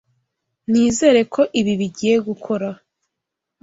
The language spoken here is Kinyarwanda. Nizere ko ibi bigiye gukora.